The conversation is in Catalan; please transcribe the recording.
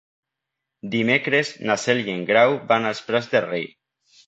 Dimecres na Cel i en Grau van als Prats de Rei.